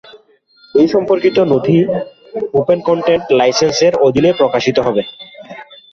এ সম্পর্কিত নথি "open content" লাইসেন্সের অধীনে প্রকাশিত হতে হবে।